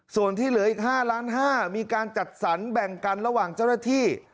ส่วนที่เหลืออีก๕ล้าน๕๕๐๐มีการจัดสรรแบ่งกันระหว่างเจ้าหน้าที่